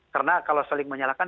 karena kalau saling menyalahkan